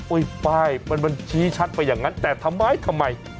โอ๊ยป้ายมันมาชี้ชัดไปอย่างนั้นแต่ทำไม